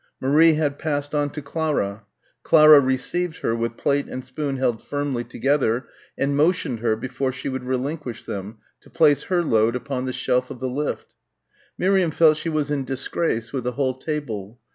Marie had passed on to Clara. Clara received her with plate and spoon held firmly together and motioned her before she would relinquish them, to place her load upon the shelf of the lift. Miriam felt she was in disgrace with the whole table....